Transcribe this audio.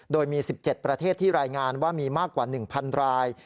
โดยมี๑๗ประเทศที่รายงานว่ามีมากกว่า๑๐๐ราย